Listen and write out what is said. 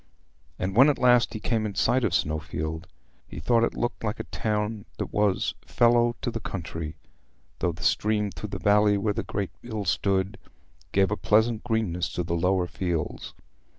And when at last he came in sight of Snowfield, he thought it looked like a town that was "fellow to the country," though the stream through the valley where the great mill stood gave a pleasant greenness to the lower fields.